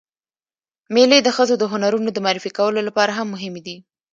مېلې د ښځو د هنرونو د معرفي کولو له پاره هم مهمې دي.